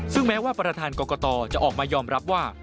ซึ่งแม้ว่าประธานกรกตจะออกมายอมรับว่า